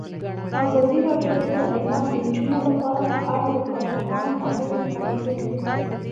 ازادي راډیو د تعلیمات د نجونو لپاره په اړه د کارپوهانو خبرې خپرې کړي.